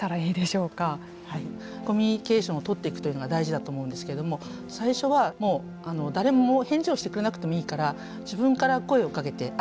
コミュニケーションをとっていくというのが大事だと思うんですけども最初はもう誰も返事をしてくれなくてもいいから自分から声をかけて挨拶をする。